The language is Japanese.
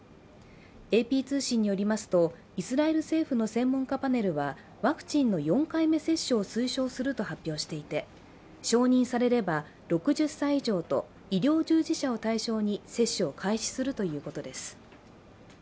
ＡＰ通信によりますとイスラエル政府の専門家パネルはワクチンの４回目接種を推奨すると発表していて承認されれば６０歳以上と医療従事者を対象に接種を開始するということです。